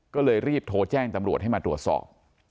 ก็เลยรีบโทรแจ้งตำรวจให้มาตรวจสอบ